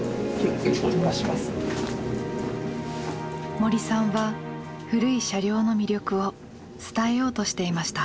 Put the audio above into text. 森さんは古い車両の魅力を伝えようとしていました。